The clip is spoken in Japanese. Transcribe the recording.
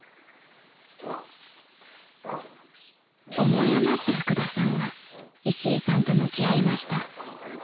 ［思いあまった福田さんは石井さんと向き合いました］